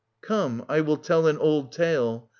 Come, I will tell An old tale.